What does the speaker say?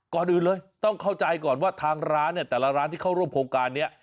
ก่อนอื่นเลยต้องเข้าใจก่อนว่าทางร้านเนี่ยแต่ละร้านที่เข้าร่วมโครงการนี้